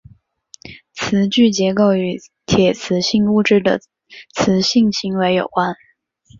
磁矩结构与铁磁性物质的磁性行为有关。